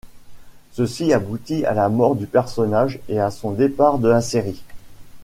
Ceci aboutit à la mort du personnage et à son départ de la série.